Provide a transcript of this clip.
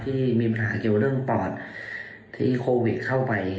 ที่มีปัญหาเกี่ยวเรื่องปอดที่โควิดเข้าไป